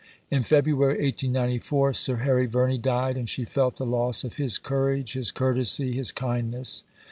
In February 1894, Sir Harry Verney died, and she felt the loss of "his courage, his courtesy, his kindness."